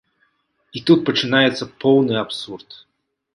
І тут пачынаецца поўны абсурд.